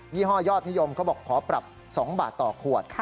ี่ห้อยอดนิยมเขาบอกขอปรับ๒บาทต่อขวด